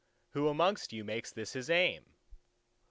... Who amongst you makes this his aim?